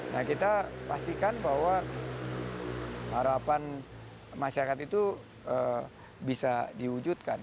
nah kita pastikan bahwa harapan masyarakat itu bisa diwujudkan